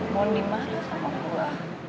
mondi mah doang sama gue